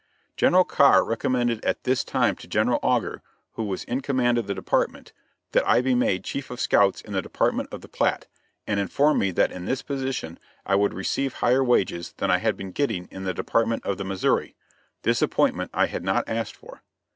General Carr recommended at this time to General Augur, who was in command of the Department, that I be made chief of scouts in the Department of the Platte, and informed me that in this position I would receive higher wages than I had been getting in the Department of the Missouri. This appointment I had not asked for.